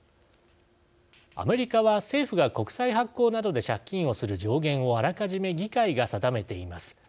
アメリカは政府が国債発行などで借金をする上限をあらかじめ議会が定めています。